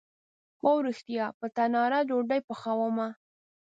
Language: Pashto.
هو ریښتیا، په تناره ډوډۍ پخومه